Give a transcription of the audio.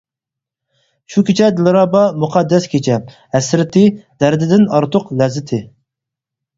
شۇ كېچە دىلرەبا، مۇقەددەس كېچە، ھەسرىتى، دەردىدىن ئارتۇق لەززىتى.